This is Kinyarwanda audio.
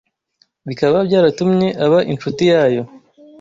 bikaba byaratumye aba incuti yayo